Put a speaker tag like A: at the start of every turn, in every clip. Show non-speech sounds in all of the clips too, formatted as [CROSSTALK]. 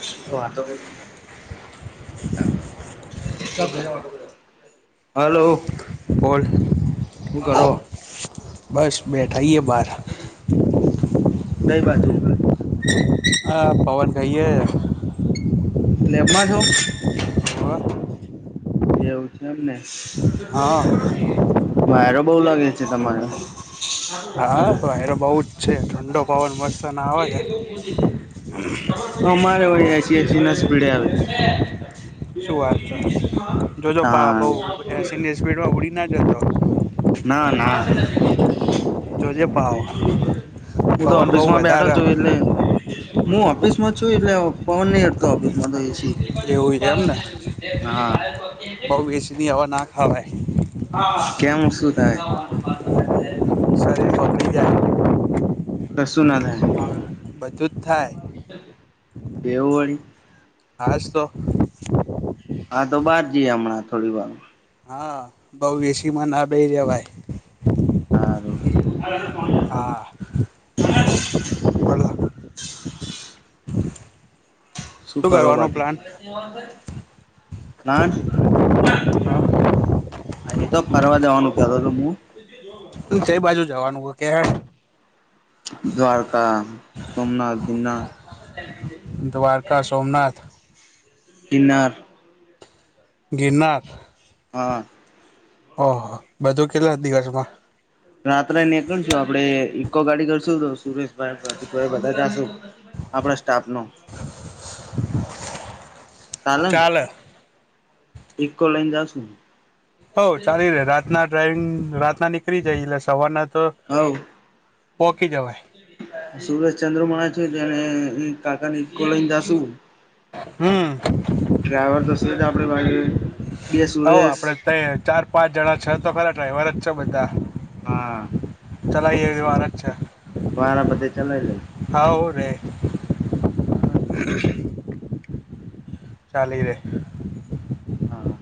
A: હ વા તો હલો
B: બલ
A: શું કરો
B: બસ બેઠાાઈએ બાર
A: કઈ બાજુ
B: હ પવન કહીએ
A: લેબ માં છો
B: હ
A: જેવું છે એમને
B: હા
A: વાયરો બહુ લાગે છે તમારે
B: હા ભયરો બઉ જ છે ઠંડો પવન વરસા ના આવે છે
A: અમર હો છે જીનસ પીઢલ
B: શું વાત જોજ પા
A: હા
B: બઉસી સ્પીડમાં ઉડી ના જતો
A: ના ના
B: જોજે પાવ
A: હું તો
B: પવન બહુ
A: ઓફિસ માં બેઠો
B: વધારે
A: છું એટલે હું ઓફિસ માં છું એટલે પવન નહ હડ તો ઓફિસ માં તોઈ છી
B: એવું છે એમ ને બઉ એસીની હવા ના ખાવાય
A: કેમ શું થાય
B: શરીર બગડી જાય
A: ક સુું ના
B: બધું જ થાય
A: કેવું હોય
B: આજ તો
A: હા તો બહાર જઈએ હમણાં થોડી વાર
B: હા બઉ એસીીમાં ના બે રહ્યા ભાઈ હા
A: હ
B: બોલો
A: શું કરો
B: કરવાનો પ્લાન
A: બાકીથી નાન એ તો પ પરવા લવાનું કાલ તમું
B: છે બાજુ જવાનું હોય કે
A: દ્વારકા સોમનાથ દિન્નાથ
B: દ્વારકા સોમનાથ
A: િનાર
B: ગિનાર
A: હા
B: ઓહ બધું કેટલા દિવસ માં
A: રાત્રે નીકળશું આપડે ઈકો ગાડી કરશું તો સુરેશભાઈ પ્રતિક ભાઈ બધા જશું આપણા સ્ટાફ નો ચલે
B: ચાલે
A: ઇકો લઈન જશું
B: હઉ ચાલી રે રાતના ડ્રાઈવિંગ રાતના નીકળી જાય એટલે સવારના તો
A: હ
B: પોકી જવાય
A: સુરેશ ચંદ્રમાણા છને કાકા લઈનેશું
B: હમ
A: ડ્રાઈવર તો સું જ આપડે ભ
B: હ આપડે ત ચાર પાંચ જણા છ તો ખરા ડ્રાઈવર જ છે બધા
A: હા
B: ચલાઈ એ વાર જ છે
A: વારાપતે ચલા લ ચ
B: હા રે ચાલી રે
A: હા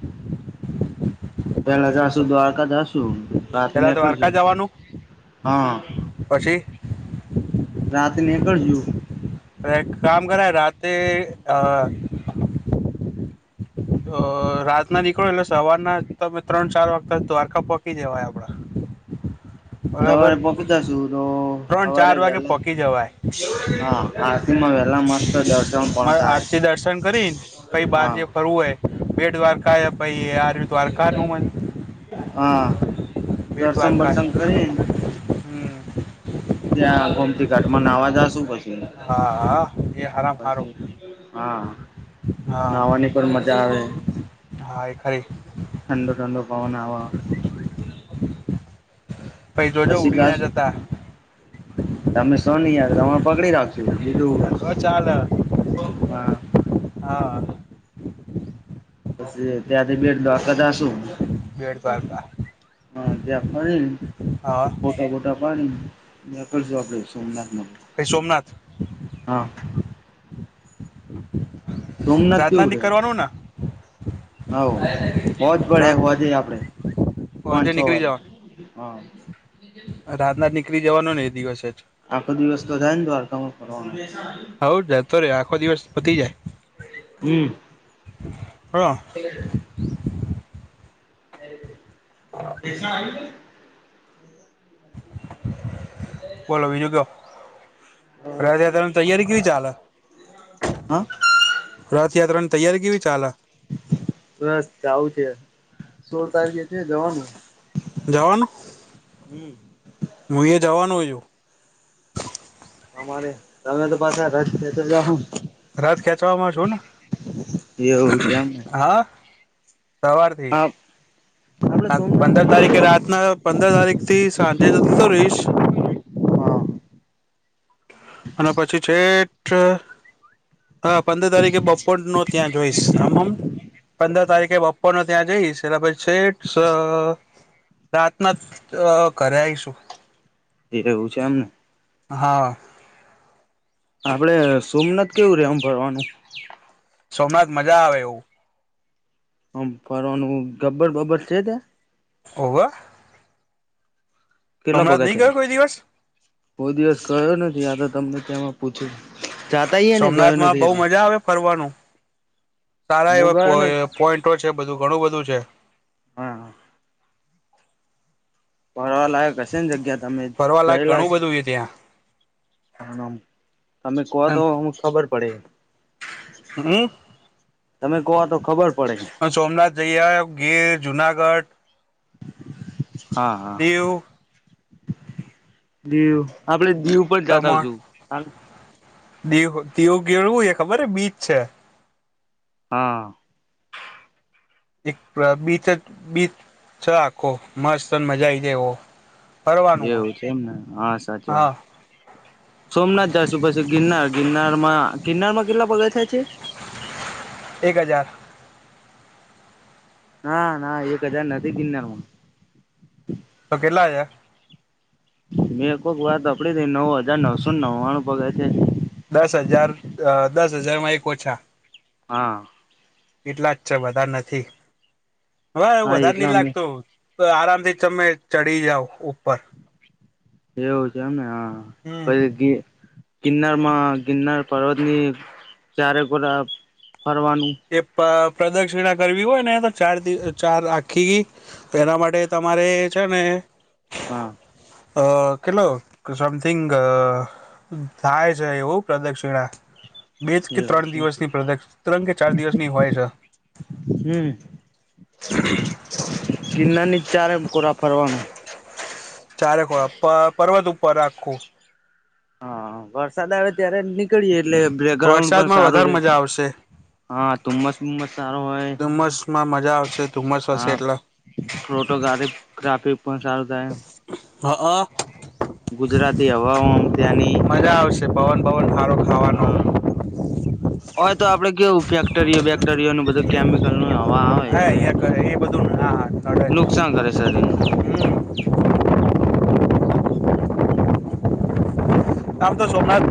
B: બોલો
A: પેલા
B: બીજું તો
A: જશું દ્વારકા જશુ રાત
B: પેલા તો દ્વારકા
A: નીકળશું
B: જવાનું
A: હા
B: પછી
A: રાત નેકળજું
B: કામ કર રાતેે અ રાત ના નીકળો એટલે સવારના તમે ત્રણ ચાર વાગતા દ્વારકા પકી જવાય આપડા
A: હ
B: બરાબર
A: સવારે પકતાશું તો
B: ત્રણ
A: સવારે
B: ચાર વાગે
A: પેલા
B: પોકી જવાય
A: હા હા વે એલા મસ્ત દ
B: આરતી દર્શન કરીને પછી બાર
A: હા
B: જે ફરવું હોય બેટ વાર શ પ એ આર્મી દ્વારકાનુંન
A: હા દર્શન
B: બેટ્વારકાર
A: બર્શન કરીને
B: હ
A: ત્યાં ગોમતી ઘાટમાં અવાજશું પછ
B: હા એ હારામ હારો
A: પછી હા
B: હા
A: નાહવાની પણ મજા આવે
B: હા એક
A: ઠંડો ઠંડો પવન હવા
B: પૈ તો જો ઉડી ના જતા
A: તમે સો નહી ય તમે પકડી રાખ છો બીજું કરશું
B: હ તો
A: હા
B: ચાલ હા
A: પ ત્યાંથી બેડ દ્વાકાતા શું
B: બેટ દ્વારકા
A: હ દખ
B: હા
A: [INAUDIBLE] ગોટા પાણીડે [INAUDIBLE]
B: ભાઈ સોમનાથ
A: હા સોમનાથ
B: રાતના નીકળવાનું ને
A: હ હો જ પડે
B: રાત
A: હો જે આપડે પાચ
B: આજે
A: છો
B: નીકળી
A: વારે
B: જવાનું
A: હા
B: રાતના નીકળી જવાનો ને એ દિવસે જ
A: આખો દિવસ તો થાય ને દ્વારકામાં ફનો
B: હવ જ જાયતો રે આખો દિવસ પતી જાય હ
A: હ ણ આવ્યું
B: બોલો બીજું તો કેવી ચાલે
A: હા
B: રથયાત્રાની તૈયારી કેવી ચાલે
A: બસ આવ આવું છે સોળ તારીખે છે જવાનું
B: જવાનું
A: હમ
B: હું એ જવાનું છું
A: અમારે તમે તો પાછા તો જાઓ
B: રથ ખેંચવાવામાં છું ને
A: ને એવું છે એમને
B: હા સવાર
A: હમ
B: પંદર તારીખે રાતના પંદર તારીખ થી સાંજે જતો તો રીશ
A: હા
B: અને પછી છે અ હા પંદર તારીખે બપોર નો ત્યાં જોઈશ આમ હમ પંદર તારીખે બપોર ન ત્યાં જઈશ એટલે પછી છેક અ રાતના જ કર્યા આવીશું
A: એ રહવું છે આમને
B: હા
A: આપડે સોમનાથ કેવું રે ભણવાનું
B: સોમનાથ મજા આવે એવું
A: હમ ફરવાનું ગબ્બર બબ્બર છે તે
B: ઓવે
A: કેટલા
B: સોમનાથ
A: પગા
B: નહી ગયો
A: થયા
B: કોઈ દિવસ
A: કોઈ દિવસ કયો નથી આ તો તમને ત્યાંમાં પૂછું જાતાય ને ગયો
B: સોમનાથમાં
A: નથી
B: બહુ
A: એટલે
B: મજા આવે ફરવાનું સારા
A: હું
B: એવા
A: ગયો નથી
B: પોઈન્ટો છે બધું ઘણું બધું છે
A: હા ફરવાલાયક હશે ને જગ્યા તમે
B: ફરવા લાયક
A: ગયેલા
B: ઘણું
A: છ
B: બધું છે ત્યાં
A: તમે કહો તો અમુક ખબર પડે
B: હમ
A: તમે કહો તો ખબર પડે
B: હ સોમનાથ જઈએ આવયો ગીર જુનાગઢ
A: હા હા
B: દીવ
A: દીવ આપડે દીવ ઉપ જતા હ
B: દમણ
A: શું
B: દીવ દીવું કેવુ એ ખબર બીચ છે
A: હા
B: એક બીચ જ બીચ આખો મસ્ત અને મજા આવી જાય એવો ફરવાનું હોય
A: એવું છે એમ ને હા સાચી વાત
B: હા
A: સોમનાથ જશું પછી ગિરનાર ગિરનાર માં ગિરનારમાં કેટલા પગા થાય છે
B: એક હજાર
A: ના ના એક હજાર નથી ગીરનારમા
B: તો કેટલા છે
A: મેં એક વાત સાભડી હતી નવ હજાર નવસો નવ્વાણું પગે છે
B: દસ હજાર દસ હજારમાં એક ઓછા-
A: હા
B: એટલા જ છે વધારે નથી હવે
A: હા
B: વધારે
A: એટલા
B: નહ
A: અમે
B: લાગતો આરામ થી તમે ચડી જાવ ઉપર.
A: એવું છે એમને હા
B: હમ
A: પછી ગિરનાર માં ગિરનાર પર્વતની ચારેકોરા ફરવાનું
B: એ પ્રદક્ષિણા કરવી હોય ને તો ચાર દી ચાર આખી એના માટે તમારે છે ને
A: હા.
B: અ કેટલો સમથીગ અ થાય છે એવું પ્રદક્ષિણા બે જ કે
A: એવું
B: ત્રણ
A: છે
B: દિવસની પ્રદક્ષીણા ત્રણ કે ચાર દિવસની હોય છે
A: હમ. ગિરનાર ની ચારે કોરા ફરવાનું
B: ચારે ખોળા પર્વત ઉપર રાખું
A: હા વરસાદ આવે ત્યારે જ નીકળીએ એટલે બેકગ્રાઉન્ડ પણ
B: વરસાદમાં
A: સારું
B: વધારે
A: રે-
B: મજા આવશે
A: હા ધુમ્મસ ધૂમ્મસ સારો હોય.
B: ધુમ્મસમાં મજા આવશે ધુમ્મસ
A: હા
B: હશે એટલે
A: પ્રોટોગાફી ટ્રાફિક પણ સારું થાય
B: હા હ.
A: ગુજરાતી હવાઓ અમ ત્યાંની.
B: મજા આવશે પવન ભવન હારો
A: હા. હોય તો આપડે કેવું ફેક્ટરીઓ બેક્ટેરીઓ નું બધું કેમિકલ નું હવા આવે.
B: હા
A: એટલે
B: અહિયાં એ બધું ના નડે જ
A: નુકસાન કરે શરીર ને
B: હમ આમ તો સોમનાથ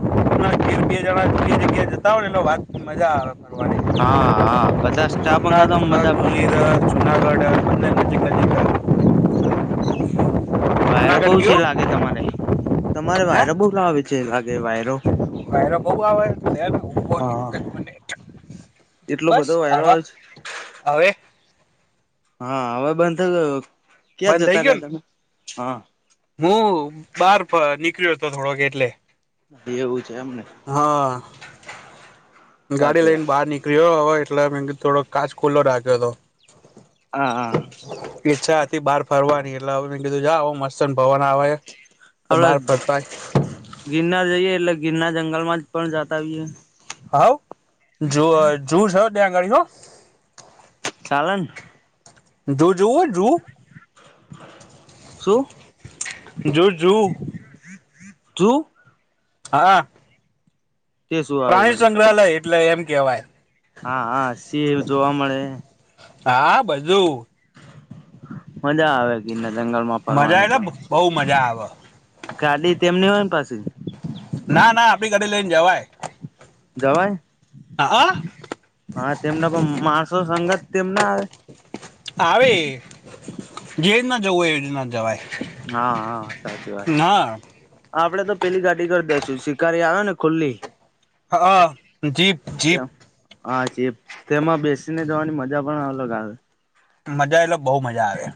B: ઘીર બે જણા જ જગ્યા જતા હો ને એટ વાત મજા આવે ફરવાની
A: હા હા બધા સ્ટાપ
B: સોમનાથ
A: કરતોમ મજા પણ
B: ગીર જુનાગઢ અને
A: [INAUDIBLE] વાયરો બહુ
B: જુનાગઢ
A: છે,
B: ગયો
A: લાગે તમારે તમારે
B: હે
A: વાયરો બહુ લાવે છે. લાગે વાયરો
B: વાયરો બહ આવે લે ઉપોર એક
A: હા
B: જ મિનિટ
A: એટલો
B: બસ
A: બધો વાયરો
B: આવા
A: આવે છે
B: હવે.
A: હા હવે બંધ થઈ ગયો. ક્યાં
B: બંધ થઇ
A: જતા
B: ગયો
A: રહ્યા
B: ને
A: તમે હા
B: હું બાર નીકળ્યો હતો થોડો ક એટલે
A: એવું છે એમને
B: હા ગાડી
A: સાચી વાત
B: લઈને બહાર નીકળીયો હવે એટલે મે થોડો કાચ ખુલ્લો રાખ્યો હતો
A: હ હા.
B: ઈચ્છા હતી બહાર ફરવાની એટલે હ કીધું જા મસ્ત ને ભવન આવે છે તો બહાર
A: આપડે
B: ફરતા -
A: ગિરનાર જઈએ એટલે ગિરનાર જંગલમાં જ પણ જતા આવીએ-
B: હવ જો જો છે, ત્યાં ગાડીઓ-
A: ચાલ ને.
B: જુ જોઓ જો-
A: શું
B: જોજુ.
A: તું? [UNINTELLIGIBLE]
B: હા.
A: તે શું આવે
B: પ્રાણી
A: વળી
B: સંગ્રહાલય એટલે એમ કેહેવાય
A: હા હા સીહ એવું જોવા મળે
B: હા બધું
A: મજા આવે ગીર ના જંગલ માં
B: મજા
A: ફરવાની તો
B: એટલે બહુ મજા આવે
A: ગાડી તેમની હોય ને પાછી?
B: ના ના આપણી ગાડી લઈને જવાય
A: જવાઈ.
B: હા.
A: હા તેમના પણ માણસો સંગત તેમના આવે
B: આવે જે રીના જવું હોય એવી રીના જવાય
A: હા હા સાચી વાત છે.
B: ના
A: આપડે તો પેલી ગાડી કરી દેસું. શિકારી આવે ને ખુલ્લી.
B: હા જીપ. જીપ
A: હાચી. તેમાં બેસીને જવાની મજા પણ અલગ આવે.
B: મજા એટલે બહુ મજા આવે.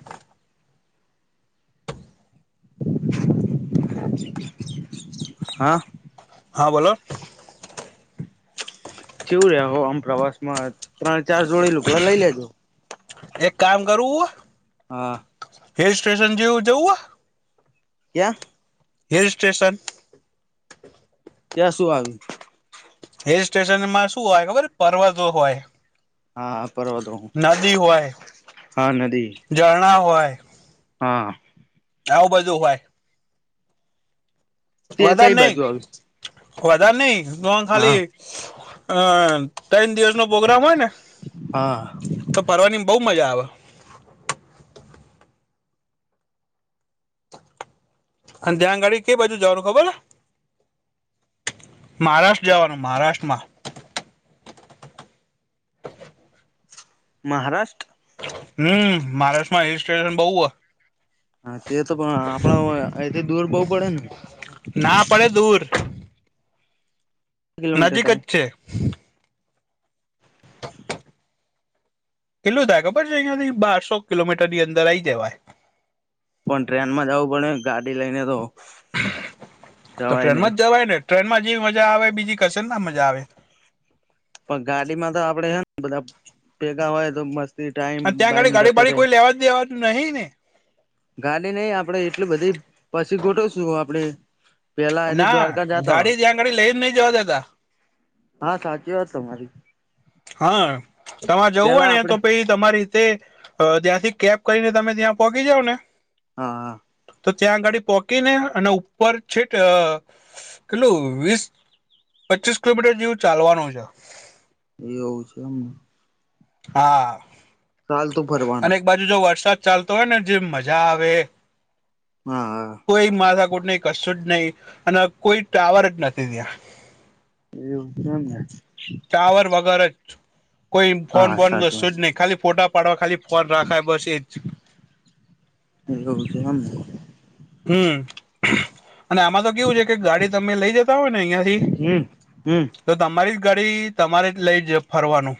A: હા.
B: હા બોલો.
A: જેવું રહે હો આમ પ્રવાસ માં ત્રણ ચાર જોડે લુકડા લઈ લેજો.
B: એક કામ કરું.
A: હા.
B: હિલ સ્ટેશન જેવું જવું હો.
A: ક્યા?
B: Hill station.
A: ત્યાં શું આવ્યું?
B: હિલ સ્ટેશનમાં શું હોય ખબર પરવાજો હોય.
A: હા પર્વતો
B: નદી હોય
A: હા નદી
B: ઝરણા હોય.
A: હા.
B: આવું બધું હોય.
A: તે
B: વધારે
A: કઈ
B: નહી
A: બાજુ આવ્યું
B: વધારે નહી નન
A: હા
B: ખાલી. હ તન દિવસ નો પ્રગ્રામ હોય ને.
A: હા
B: તો ફરવાની બહુ મજા આવે. અને ત્યાં આગાડી કેઈ બાજુ જવાનું ખબર. મહારાષ્ટ્ર જવાનું મહારાષ્ટ્રમાં.
A: મહારાષ્ટ્ર.
B: હમ મહારાષ્ટ્રમાં હિલ સ્ટેશન બઉુ હો.
A: હા તે તો પણ આપણા એ દૂર બહવુ પડે ને.
B: ના પડે દૂર.
A: કિલોમીટર
B: નજીક
A: થાય
B: જ છે. એટલું થાય ખબર છે અહિયાયાથી બારસો કિલોમીટરની અંદર આ આવી જવાય.
A: પણ ટ્રેન માં જવું પડે. ગાડી લઈને તો?
B: તો
A: જવાય નહી
B: ટ્રેનમાં જ જવાય ને ટ્રેન માં જે મજા આવે બીજી કશે ના મજા આવે.
A: પણ ગાડી માં તો આપડે હે ને બધા ભેગા હોય તો મસ્ત.
B: અને ત્યાં ગાડી ગાડી વાાડી કોઈ લેવા દેવા નહી ને.
A: ગાડી નહ આપડે એટલ બધી પછી ગોઠવશું આપડે. પેલા એલું
B: ના
A: દ્વારકા જતા હો
B: ગાડી ત્યાં આ ગાડી લઈને નઈ જવા દેતા.
A: હા, સાચી વાત તમારી.
B: હા, તમારે જવું હોય
A: પેલા
B: ને
A: આપડે
B: તો પછી. તમારી રીતે ત્યાંથી કેબ કરીને તમે ત્યાં પહોચી જાવ ને.
A: હા હા.
B: તો ત્યાં ગાડી પોહકીને અને ઉપર છેટ કેટલું વીસ પચીસ કિલોમીટર જેવું ચાલવાનું છે.
A: એવું છે એમને.
B: હા.
A: ચાલ તો ફરવાનું
B: અને એક બાજુ જો વરસાદ ચાલતો હોય ને જે મજા આવે
A: હા હા
B: કોઈ માથાકુટ નહી કશું જ નહીિ અને કોઈ ટાવર જ નથી ત્યાં
A: એવું કેમને
B: પાવર વગર જ. કોઈ ફોન
A: હા
B: બંધ
A: સાચી
B: કરશો
A: વાત
B: જ નહી ખાલી ફોટા પાડવા ખાલી ફોન રાખાય બસ એ જ.
A: એવુ છે, એમ ને.
B: હમ્મ. અને આમાં તો કેવું છે, કે ગાડી તમે લઈ જતા હોય ને અહિયાયા થી
A: હમ હમ
B: તો તમારી જ ગાડી તમારે જ લઈ જ ફરવાનું.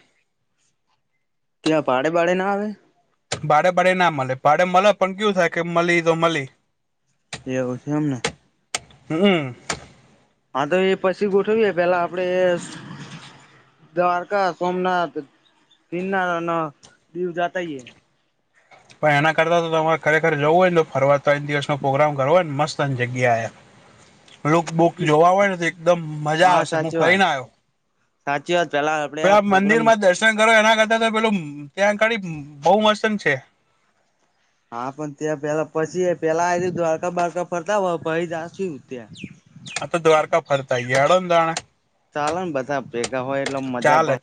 A: ત્યાં ભાડે બાડે ના આવે?
B: ભાડે બાડે ના મળે ભાડે મળે પણ કેવું થાય કે મળી તો મળી
A: એવું છે એમને
B: હમ્મ
A: હા, તો એ પછી ગોઠવીએ પેલા આપડે દ્વારકા સોમનાથ ગિરનાર અને દીવ જતા આયે
B: પણ એના કરતાં તો તમારે ખરેખર જવું હોય ને ફરવા ત્રણ દિવસનો પોગ્રામ કરવો હો ને મસ્તની જગ્યા હે,
A: [INAUDIBLE]
B: લુક બુક જોવા હોયે ને તો એકદમ મજા
A: હા
B: આવશે હું
A: સાચી વાત
B: ફરીને આવ્યો.
A: સાચી વાત પેલા આપણે પોગ્રા
B: મંદિર માં દર્શન કરો એના કરતા તો પેલું ત્યાં કડી બહુ મસ્ત છે,
A: હા, પણ ત્યાં પેલા પછી પેલા આયથી દ્વારકા બાવારકા ફરતા આઓ પછી જાસુજ ત્યાં
B: આ તો દ્વારકા ફરતા ગયા હેડો ને તાણે
A: ચાલેને બધા ભેગા હોય એટલે મજા પણ
B: ચાલે